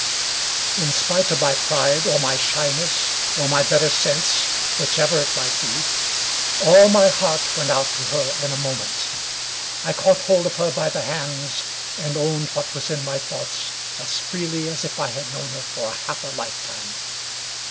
In spite of my pride, or my shyness, or my better sense — ^whichever it might me — ^all my heart went out to her in a moment. I caught hold of her by the hands, and owned what was in my thoughts, as freely as if I had known her for half a lifetime.